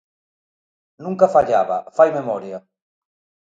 Nunca fallaba, fai memoria.